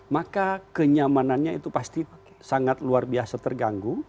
maka kenyamanannya itu pasti sangat luar biasa terganggu